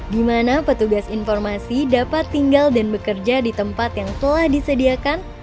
di mana petugas informasi dapat tinggal dan bekerja di tempat yang telah disediakan